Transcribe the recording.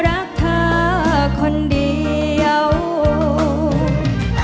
อยากบอกรักสัมผัสหมื่นแสนล้านครั้ง